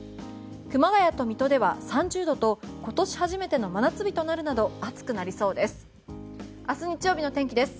熊谷と水戸では３０度と今年初めての真夏日となるなど暑くなりそうです。